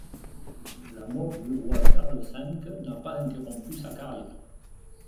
La mort du roi Charles V n'a pas interrompu sa carrière.